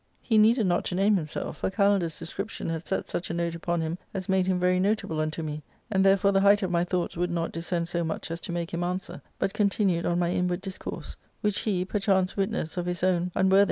* He needed not to name himself, for Kalander's description had set such a note upon him as made him very notable unto me ; and therefore the height of my thoughts would not descend so much as to make him answer, but continued on my inward discourse ; which he, perchance witness of his own unworthi • Pantable^ the shoe or slipper.